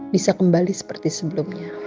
bisa kembali seperti sebelumnya